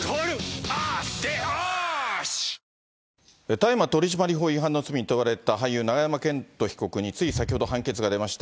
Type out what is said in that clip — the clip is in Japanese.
大麻取締法違反の罪に問われた俳優、永山絢斗被告に、つい先ほど判決が出ました。